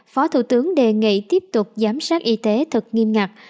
phó thủ tướng đề nghị tiếp tục giám sát y tế thật nghiêm ngặt